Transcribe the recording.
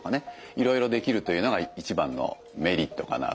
いろいろできるというのが一番のメリットかなと。